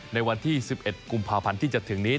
ในวันที่๑๑กุมภาพันธ์ที่จะถึงนี้